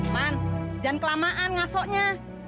man jangan kelamaan ngasoknya